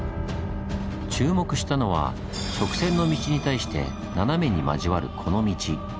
注目したのは直線の道に対して斜めに交わるこの道。